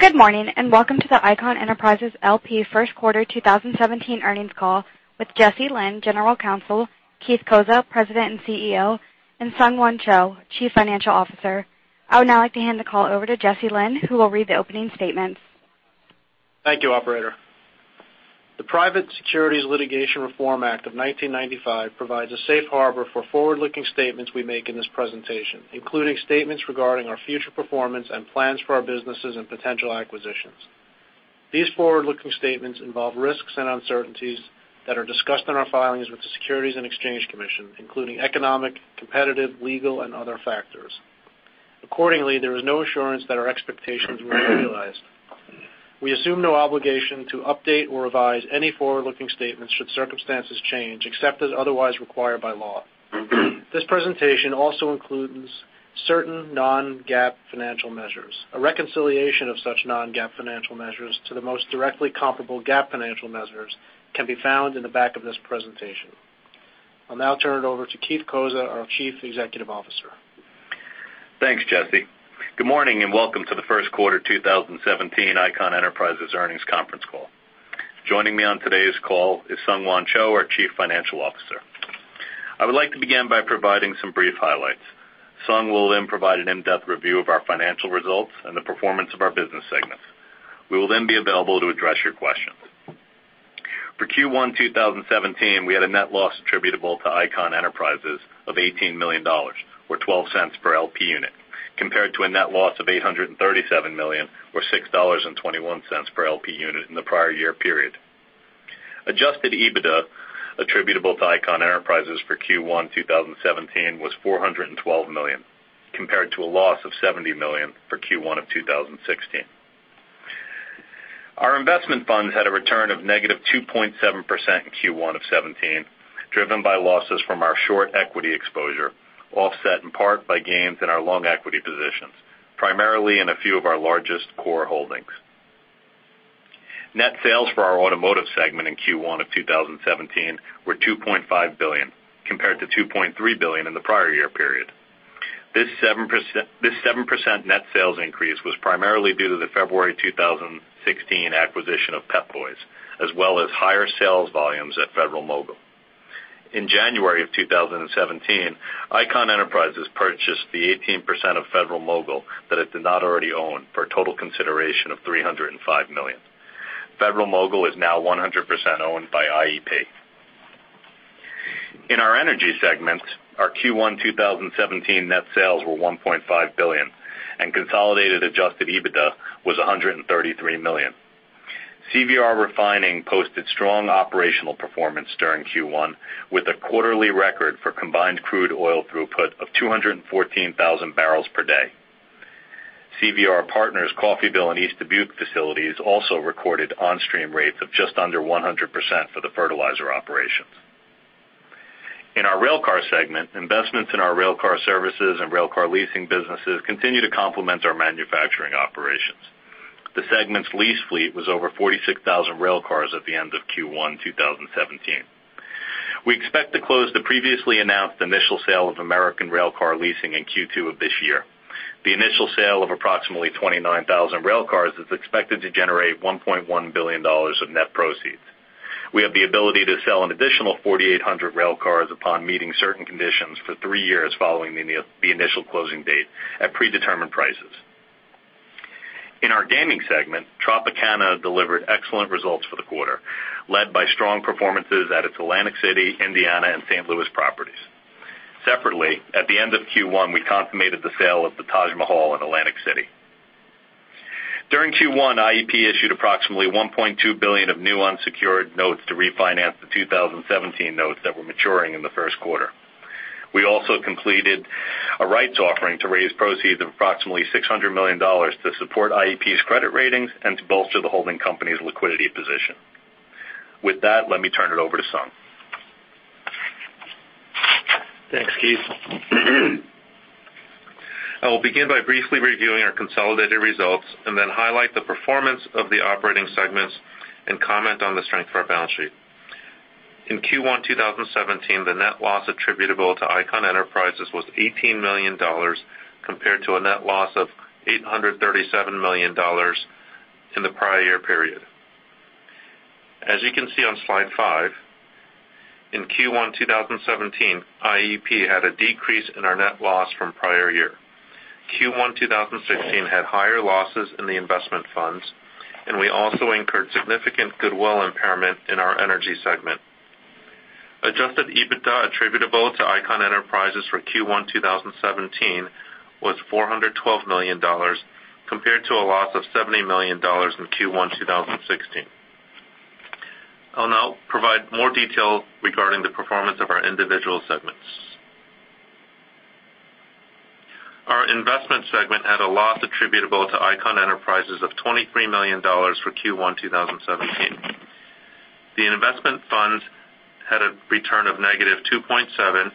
Good morning, and welcome to the Icahn Enterprises L.P. First Quarter 2017 Earnings Call with Jesse Lynn, General Counsel, Keith Cozza, President and CEO, and SungHwan Cho, Chief Financial Officer. I would now like to hand the call over to Jesse Lynn, who will read the opening statements. Thank you, operator. The Private Securities Litigation Reform Act of 1995 provides a safe harbor for forward-looking statements we make in this presentation, including statements regarding our future performance and plans for our businesses and potential acquisitions. These forward-looking statements involve risks and uncertainties that are discussed in our filings with the Securities and Exchange Commission, including economic, competitive, legal, and other factors. Accordingly, there is no assurance that our expectations will be realized. We assume no obligation to update or revise any forward-looking statements should circumstances change, except as otherwise required by law. This presentation also includes certain non-GAAP financial measures. A reconciliation of such non-GAAP financial measures to the most directly comparable GAAP financial measures can be found in the back of this presentation. I'll now turn it over to Keith Cozza, our Chief Executive Officer. Thanks, Jesse. Good morning, and welcome to the First Quarter 2017 Icahn Enterprises Earnings Conference Call. Joining me on today's call is SungHwan Cho, our Chief Financial Officer. I would like to begin by providing some brief highlights. Sung will then provide an in-depth review of our financial results and the performance of our business segments. We will then be available to address your questions. For Q1 2017, we had a net loss attributable to Icahn Enterprises of $18 million, or $0.12 per L.P. unit, compared to a net loss of $837 million, or $6.21 per L.P. unit in the prior year period. Adjusted EBITDA attributable to Icahn Enterprises for Q1 2017 was $412 million, compared to a loss of $70 million for Q1 of 2016. Our investment funds had a return of -2.7% in Q1 of 2017, driven by losses from our short equity exposure, offset in part by gains in our long equity positions, primarily in a few of our largest core holdings. Net sales for our Automotive segment in Q1 of 2017 were $2.5 billion, compared to $2.3 billion in the prior year period. This 7% net sales increase was primarily due to the February 2016 acquisition of Pep Boys, as well as higher sales volumes at Federal-Mogul. In January of 2017, Icahn Enterprises purchased the 18% of Federal-Mogul that it did not already own for a total consideration of $305 million. Federal-Mogul is now 100% owned by IEP. In our Energy segment, our Q1 2017 net sales were $1.5 billion, and consolidated Adjusted EBITDA was $133 million. CVR Refining posted strong operational performance during Q1, with a quarterly record for combined crude oil throughput of 214,000 barrels per day. CVR Partners' Coffeyville and East Dubuque facilities also recorded on-stream rates of just under 100% for the fertilizer operations. In our Railcar Segment, investments in our railcar services and railcar leasing businesses continue to complement our manufacturing operations. The Segment's lease fleet was over 46,000 railcars at the end of Q1 2017. We expect to close the previously announced initial sale of American Railcar Leasing in Q2 of this year. The initial sale of approximately 29,000 railcars is expected to generate $1.1 billion of net proceeds. We have the ability to sell an additional 4,800 railcars upon meeting certain conditions for three years following the initial closing date at predetermined prices. In our Gaming Segment, Tropicana delivered excellent results for the quarter, led by strong performances at its Atlantic City, Indiana, and St. Louis properties. Separately, at the end of Q1, we consummated the sale of the Taj Mahal in Atlantic City. During Q1, IEP issued approximately $1.2 billion of new unsecured notes to refinance the 2017 notes that were maturing in the first quarter. We also completed a rights offering to raise proceeds of approximately $600 million to support IEP's credit ratings and to bolster the holding company's liquidity position. With that, let me turn it over to Sung. Thanks, Keith. I will begin by briefly reviewing our consolidated results and then highlight the performance of the operating segments and comment on the strength of our balance sheet. In Q1 2017, the net loss attributable to Icahn Enterprises was $18 million compared to a net loss of $837 million in the prior year period. As you can see on slide five, in Q1 2017, IEP had a decrease in our net loss from prior year. Q1 2016 had higher losses in the investment funds, and we also incurred significant goodwill impairment in our Energy Segment. Adjusted EBITDA attributable to Icahn Enterprises for Q1 2017 was $412 million, compared to a loss of $70 million in Q1 2016. I'll now provide more detail regarding the performance of our individual segments. Our Investment Segment had a loss attributable to Icahn Enterprises of $23 million for Q1 2017. The investment funds had a return of -2.7%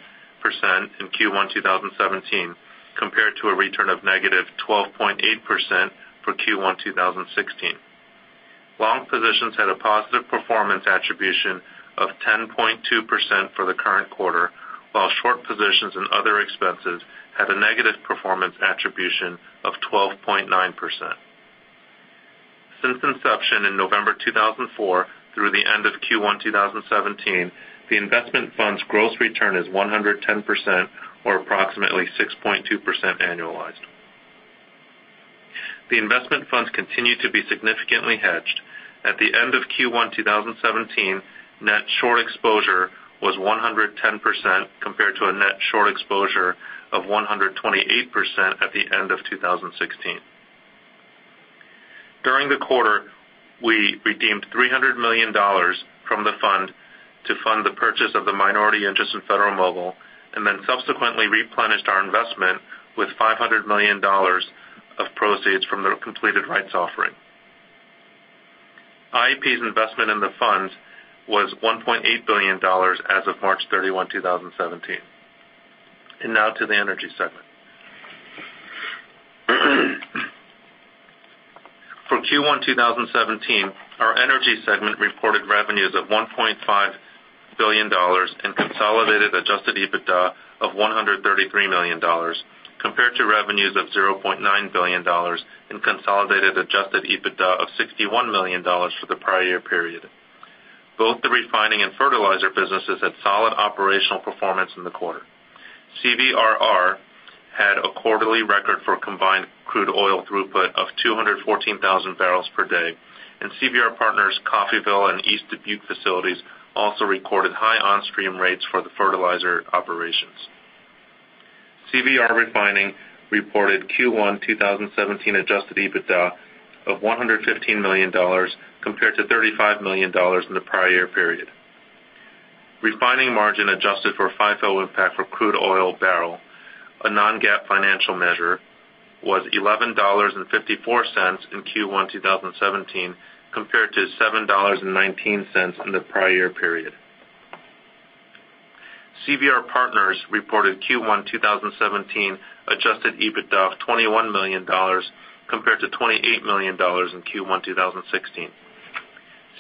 in Q1 2017, compared to a return of -12.8% for Q1 2016. Long positions had a positive performance attribution of 10.2% for the current quarter, while short positions and other expenses had a negative performance attribution of 12.9%. Since inception in November 2004 through the end of Q1 2017, the investment fund's gross return is 110%, or approximately 6.2% annualized. The investment funds continue to be significantly hedged. At the end of Q1 2017, net short exposure was 110%, compared to a net short exposure of 128% at the end of 2016. During the quarter, we redeemed $300 million from the fund to fund the purchase of the minority interest in Federal-Mogul, and then subsequently replenished our investment with $500 million of proceeds from the completed rights offering. IEP's investment in the funds was $1.8 billion as of March 31, 2017. Now to the energy segment. For Q1 2017, our energy segment reported revenues of $1.5 billion in consolidated adjusted EBITDA of $133 million, compared to revenues of $0.9 billion and consolidated adjusted EBITDA of $61 million for the prior year period. Both the refining and fertilizer businesses had solid operational performance in the quarter. CVRR had a quarterly record for combined crude oil throughput of 214,000 barrels per day, and CVR Partners' Coffeyville and East Dubuque facilities also recorded high on-stream rates for the fertilizer operations. CVR Refining reported Q1 2017 adjusted EBITDA of $115 million compared to $35 million in the prior year period. Refining margin adjusted for FIFO impact for crude oil barrel, a non-GAAP financial measure, was $11.54 in Q1 2017 compared to $7.19 in the prior year period. CVR Partners reported Q1 2017 adjusted EBITDA of $21 million compared to $28 million in Q1 2016.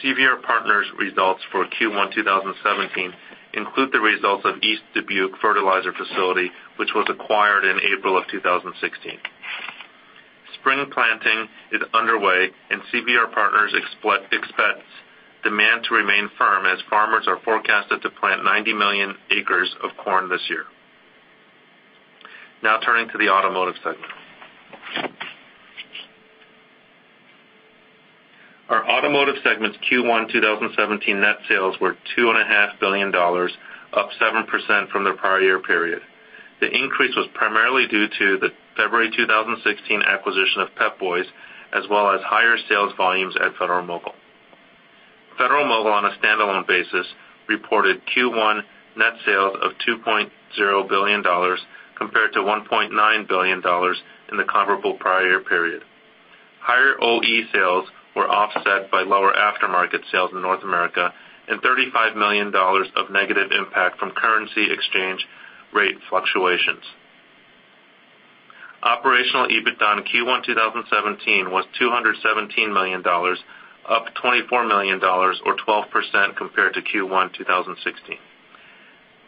CVR Partners' results for Q1 2017 include the results of East Dubuque Fertilizer facility, which was acquired in April of 2016. Spring planting is underway and CVR Partners expects demand to remain firm as farmers are forecasted to plant 90 million acres of corn this year. Now turning to the automotive segment. Our automotive segment's Q1 2017 net sales were $2.5 billion, up 7% from the prior year period. The increase was primarily due to the February 2016 acquisition of Pep Boys, as well as higher sales volumes at Federal-Mogul. Federal-Mogul, on a standalone basis, reported Q1 net sales of $2.0 billion compared to $1.9 billion in the comparable prior year period. Higher OE sales were offset by lower aftermarket sales in North America and $35 million of negative impact from currency exchange rate fluctuations. Operational EBITDA in Q1 2017 was $217 million, up $24 million or 12% compared to Q1 2016.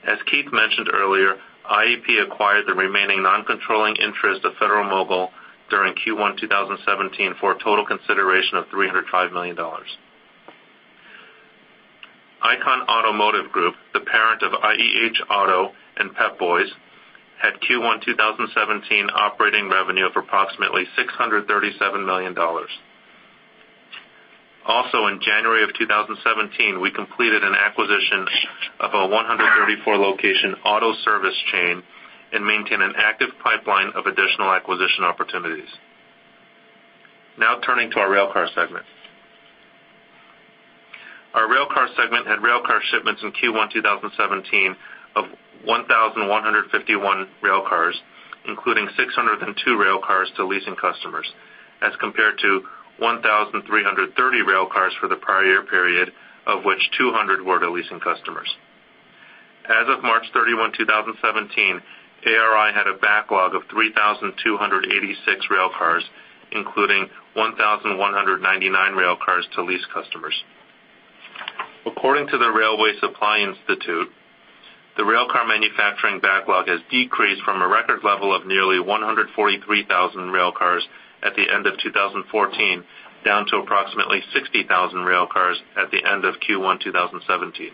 As Keith mentioned earlier, IEP acquired the remaining non-controlling interest of Federal-Mogul during Q1 2017 for a total consideration of $305 million. Icahn Automotive Group, the parent of IEH Auto and Pep Boys, had Q1 2017 operating revenue of approximately $637 million. In January of 2017, we completed an acquisition of a 134-location auto service chain and maintain an active pipeline of additional acquisition opportunities. Now turning to our railcar segment. Our railcar segment had railcar shipments in Q1 2017 of 1,151 railcars, including 602 railcars to leasing customers, as compared to 1,330 railcars for the prior year period, of which 200 were to leasing customers. As of March 31, 2017, ARI had a backlog of 3,286 railcars, including 1,199 railcars to lease customers. According to the Railway Supply Institute, the railcar manufacturing backlog has decreased from a record level of nearly 143,000 railcars at the end of 2014, down to approximately 60,000 railcars at the end of Q1 2017.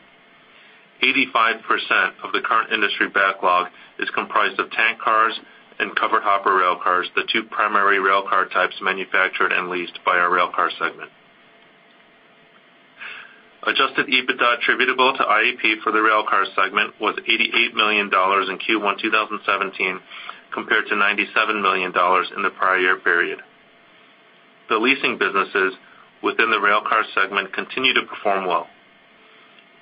85% of the current industry backlog is comprised of tank cars and covered hopper railcars, the two primary railcar types manufactured and leased by our railcar segment. Adjusted EBITDA attributable to IEP for the railcar segment was $88 million in Q1 2017 compared to $97 million in the prior year period. The leasing businesses within the railcar segment continue to perform well.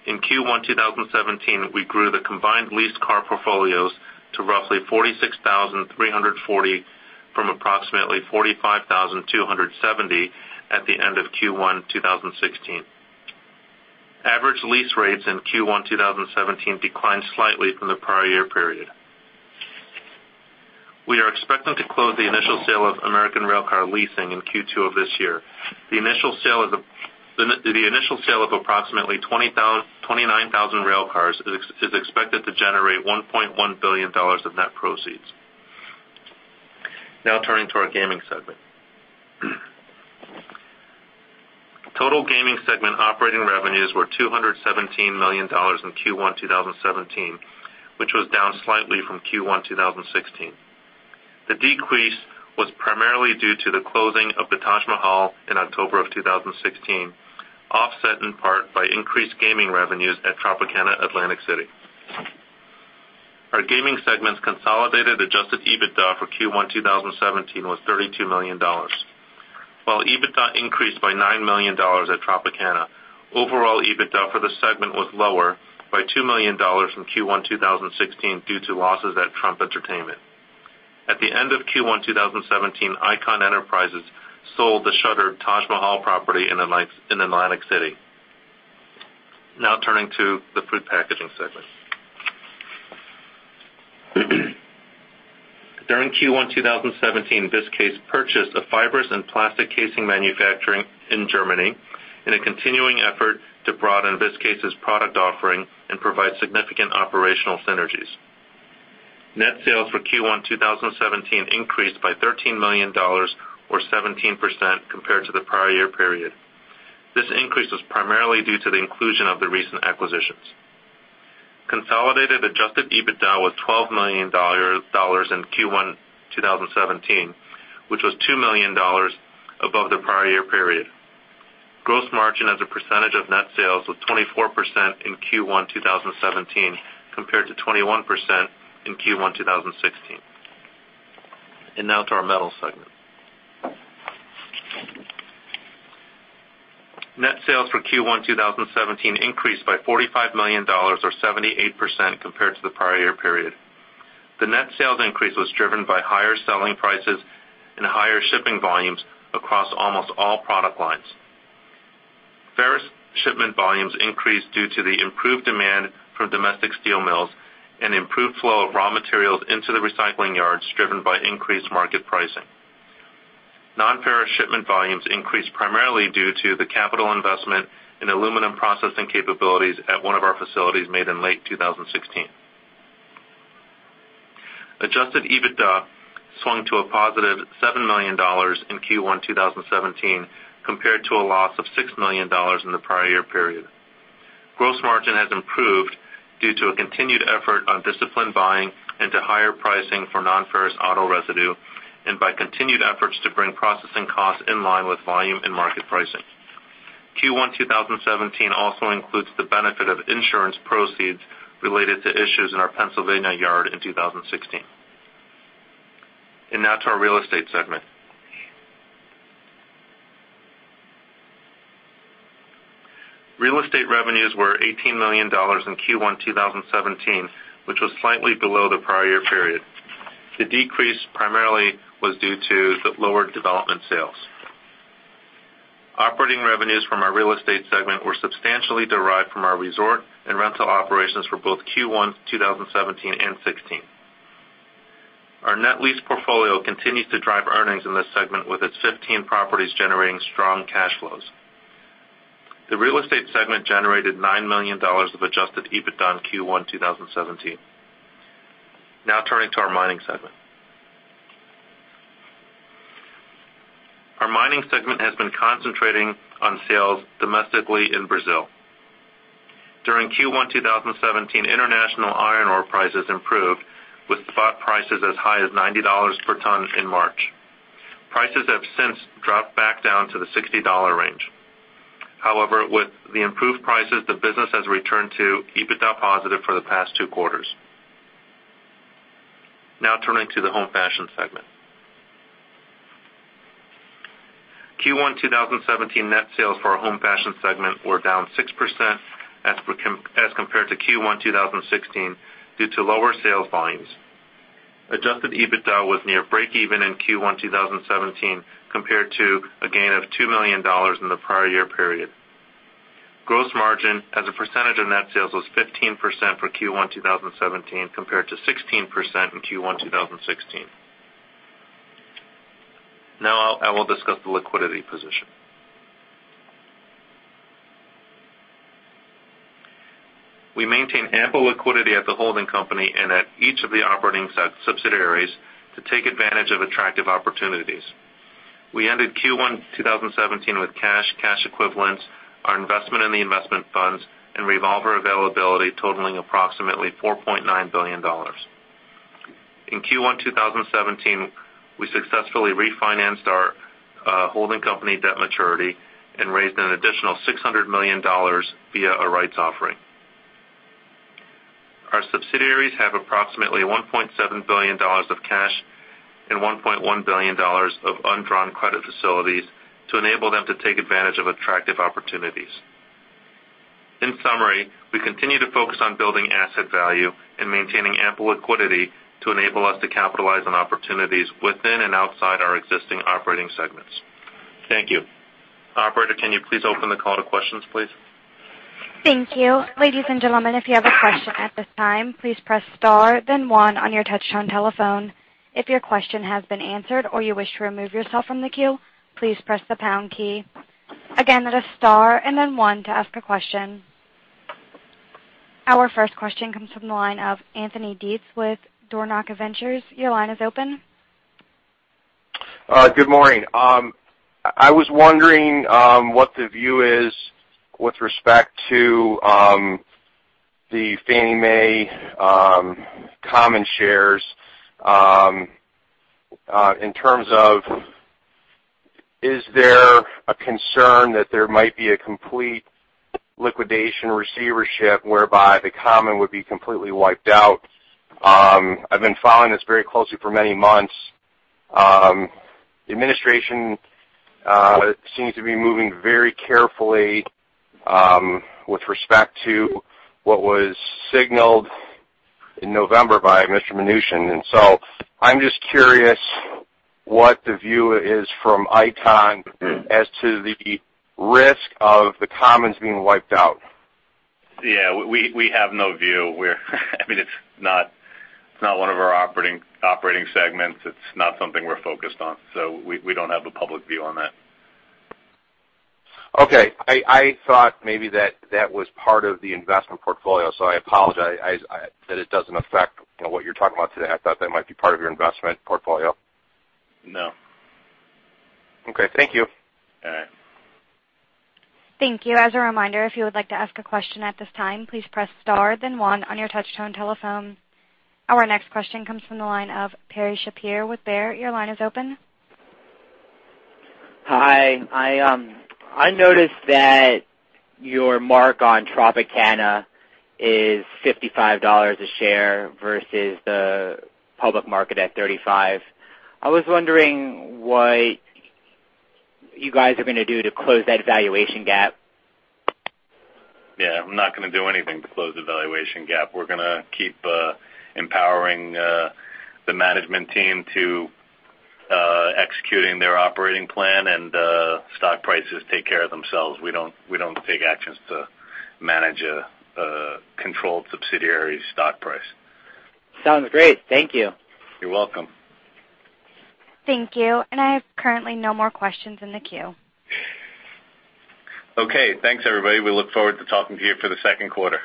In Q1 2017, we grew the combined leased car portfolios to roughly 46,340 from approximately 45,270 at the end of Q1 2016. Average lease rates in Q1 2017 declined slightly from the prior year period. We are expecting to close the initial sale of American Railcar Leasing in Q2 of this year. The initial sale of approximately 29,000 railcars is expected to generate $1.1 billion of net proceeds. Now turning to our gaming segment. Total gaming segment operating revenues were $217 million in Q1 2017, which was down slightly from Q1 2016. The decrease was primarily due to the closing of the Taj Mahal in October of 2016, offset in part by increased gaming revenues at Tropicana Atlantic City. Our gaming segment's consolidated adjusted EBITDA for Q1 2017 was $32 million. While EBITDA increased by $9 million at Tropicana, overall EBITDA for the segment was lower by $2 million from Q1 2016 due to losses at Trump Entertainment. At the end of Q1 2017, Icahn Enterprises sold the shuttered Taj Mahal property in Atlantic City. Now turning to the food packaging segment. During Q1 2017, Viskase purchased a fibers and plastic casing manufacturing in Germany, in a continuing effort to broaden Viskase's product offering and provide significant operational synergies. Net sales for Q1 2017 increased by $13 million or 17% compared to the prior year period. This increase was primarily due to the inclusion of the recent acquisitions. Consolidated adjusted EBITDA was $12 million in Q1 2017, which was $2 million above the prior year period. Gross margin as a percentage of net sales was 24% in Q1 2017 compared to 21% in Q1 2016. Now to our metals segment. Net sales for Q1 2017 increased by $45 million or 78% compared to the prior year period. The net sales increase was driven by higher selling prices and higher shipping volumes across almost all product lines. Ferrous shipment volumes increased due to the improved demand from domestic steel mills, and improved flow of raw materials into the recycling yards driven by increased market pricing. Non-ferrous shipment volumes increased primarily due to the capital investment in aluminum processing capabilities at one of our facilities made in late 2016. Adjusted EBITDA swung to a positive $7 million in Q1 2017 compared to a loss of $6 million in the prior year period. Gross margin has improved due to a continued effort on disciplined buying into higher pricing for non-ferrous auto residue, and by continued efforts to bring processing costs in line with volume and market pricing. Q1 2017 also includes the benefit of insurance proceeds related to issues in our Pennsylvania yard in 2016. Now to our real estate segment. Real estate revenues were $18 million in Q1 2017, which was slightly below the prior year period. The decrease primarily was due to the lower development sales. Operating revenues from our real estate segment were substantially derived from our resort and rental operations for both Q1 2017 and 2016. Our net lease portfolio continues to drive earnings in this segment with its 15 properties generating strong cash flows. The real estate segment generated $9 million of adjusted EBITDA in Q1 2017. Now turning to our mining segment. Our mining segment has been concentrating on sales domestically in Brazil. During Q1 2017, international iron ore prices improved, with spot prices as high as $90 per ton in March. Prices have since dropped back down to the $60 range. However, with the improved prices, the business has returned to EBITDA positive for the past two quarters. Now turning to the home fashion segment. Q1 2017 net sales for our home fashion segment were down 6% as compared to Q1 2016 due to lower sales volumes. Adjusted EBITDA was near break-even in Q1 2017 compared to a gain of $2 million in the prior year period. Gross margin as a percentage of net sales was 15% for Q1 2017 compared to 16% in Q1 2016. Now I will discuss the liquidity position. We maintain ample liquidity at the holding company and at each of the operating subsidiaries to take advantage of attractive opportunities. We ended Q1 2017 with cash equivalents, our investment in the investment funds, and revolver availability totaling approximately $4.9 billion. In Q1 2017, we successfully refinanced our holding company debt maturity and raised an additional $600 million via a rights offering. Our subsidiaries have approximately $1.7 billion of cash and $1.1 billion of undrawn credit facilities to enable them to take advantage of attractive opportunities. In summary, we continue to focus on building asset value and maintaining ample liquidity to enable us to capitalize on opportunities within and outside our existing operating segments. Thank you. Can you please open the call to questions, please? Thank you. Ladies and gentlemen, if you have a question at this time, please press star then one on your touch-tone telephone. If your question has been answered or you wish to remove yourself from the queue, please press the pound key. Again, that is star and then one to ask a question. Our first question comes from the line of Anthony Dietz with Door Knock Ventures. Your line is open. Good morning. I was wondering what the view is with respect to the Fannie Mae common shares, in terms of, is there a concern that there might be a complete liquidation receivership whereby the common would be completely wiped out? I've been following this very closely for many months. The administration seems to be moving very carefully with respect to what was signaled in November by Mr. Mnuchin. I'm just curious what the view is from Icahn as to the risk of the commons being wiped out. Yeah, we have no view. It's not one of our operating segments. It's not something we're focused on. We don't have a public view on that. Okay. I thought maybe that was part of the investment portfolio. I apologize that it doesn't affect what you're talking about today. I thought that might be part of your investment portfolio. No. Okay. Thank you. All right. Thank you. As a reminder, if you would like to ask a question at this time, please press star then one on your touch-tone telephone. Our next question comes from the line of Perry Shapiro with Bear. Your line is open. Hi. I noticed that your mark on Tropicana is $55 a share versus the public market at $35. I was wondering what you guys are going to do to close that valuation gap. Yeah, I'm not going to do anything to close the valuation gap. We're going to keep empowering the management team to executing their operating plan. Stock prices take care of themselves. We don't take actions to manage a controlled subsidiary stock price. Sounds great. Thank you. You're welcome. Thank you. I have currently no more questions in the queue. Okay. Thanks, everybody. We look forward to talking to you for the second quarter.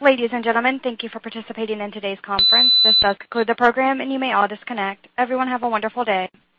Ladies and gentlemen, thank you for participating in today's conference. This does conclude the program, and you may all disconnect. Everyone, have a wonderful day.